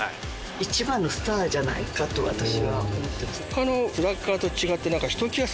一番のスターじゃないかと私は思ってます。